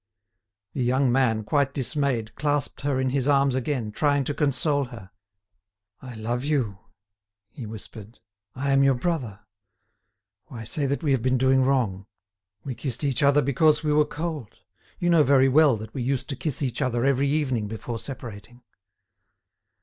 The young man, quite dismayed, clasped her in his arms again, trying to console her. "I love you," he whispered, "I am your brother. Why say that we have been doing wrong? We kissed each other because we were cold. You know very well that we used to kiss each other every evening before separating."